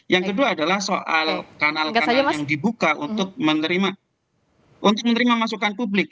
yang kedua adalah soal kanal kanal yang dibuka untuk menerima masukan publik